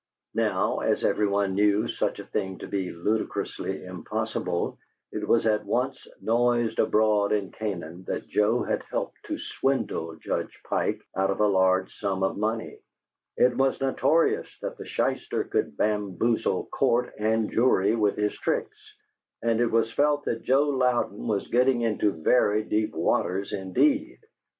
Now, as every one knew such a thing to be ludicrously impossible, it was at once noised abroad in Canaan that Joe had helped to swindle Judge Pike out of a large sum of money it was notorious that the shyster could bamboozle court and jury with his tricks; and it was felt that Joe Louden was getting into very deep waters indeed.